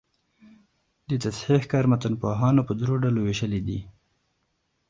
د تصحیح کار متنپوهانو په درو ډلو ویشلی دﺉ.